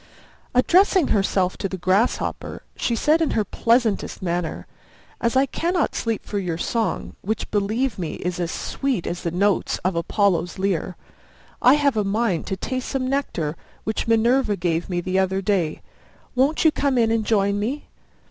Addressing herself to the Grasshopper, she said in her pleasantest manner, "As I cannot sleep for your song, which, believe me, is as sweet as the notes of Apollo's lyre, I have a mind to taste some nectar, which Minerva gave me the other day. Won't you come in and join me?"